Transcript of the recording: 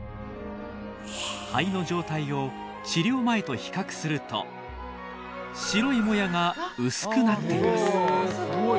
肺の状態を治療前と比較すると白いモヤが薄くなっています。